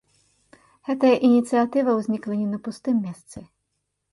Гэтая ініцыятыва ўзнікла не на пустым месцы.